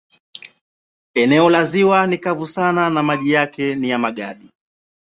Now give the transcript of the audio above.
Eneo la ziwa ni kavu sana na maji yake ni ya magadi.